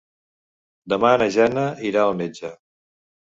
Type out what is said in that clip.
Demà na Jana irà al metge.